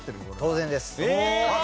当然です。